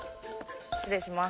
失礼します。